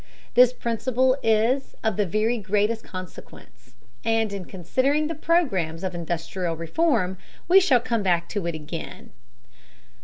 This principle is of the very greatest consequence, and in considering the programs of industrial reform we shall come back to it again.